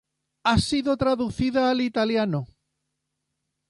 Ha sido traducida al italiano.